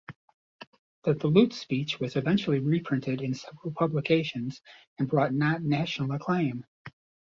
The Duluth speech was eventually reprinted in several publications and brought Knott national acclaim.